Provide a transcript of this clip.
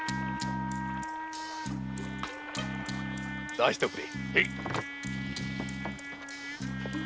出してくれ。